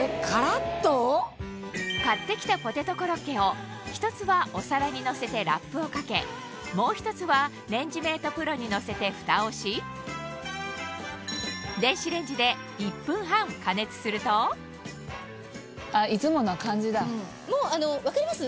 買ってきたポテトコロッケを１つはお皿にのせてラップをかけもう１つはレンジメートプロにのせてフタをしもう分かります？